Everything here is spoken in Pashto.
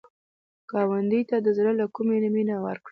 ګاونډي ته د زړه له کومي مینه ورکړه